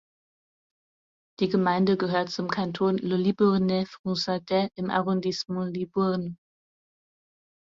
Die Gemeinde gehört zum Kanton Le Libournais-Fronsadais im Arrondissement Libourne.